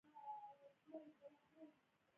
د لون وولف بنسټ ایښودونکو د راتلونکي جوړولو هوډ وکړ